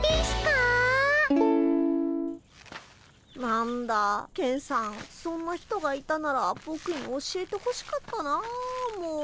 何だケンさんそんな人がいたならボクに教えてほしかったなあもう。